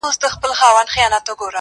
چي دا ستا معاش نو ولي نه ډيريږي-